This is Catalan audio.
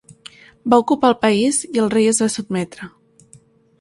Va ocupar el país i el rei es va sotmetre.